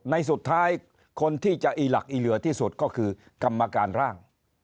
ในสุดท้ายคนที่จะอีหลักอีเหลือที่สุดก็คือกรรมการร่าง